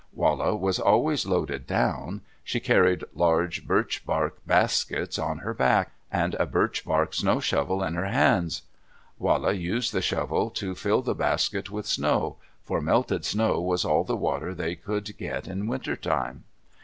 Wala was always loaded down. She carried large birch bark baskets on her back, and a birch bark snow shovel in her hands. Wala used the shovel to fill the baskets with snow, for melted snow was all the water they could get in winter time.